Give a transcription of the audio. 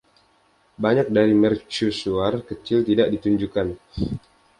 Banyak dari mercu suar kecil tidak ditunjukkan.